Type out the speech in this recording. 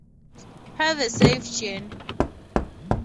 Have a safe journey.